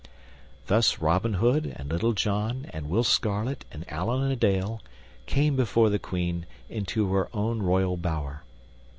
Thus Robin Hood and Little John and Will Scarlet and Allan a Dale came before the Queen into her own royal bower.